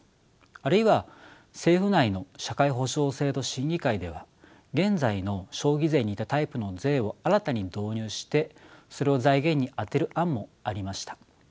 あるいは政府内の社会保障制度審議会では現在の消費税に似たタイプの税を新たに導入してそれを財源に充てる案もありました。